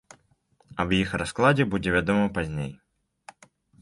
Аб іх раскладзе будзе вядома пазней.